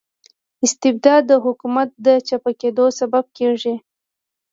استبداد د حکوم د چپه کیدو سبب کيږي.